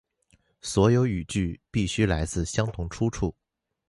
所有语句必须来自相同出处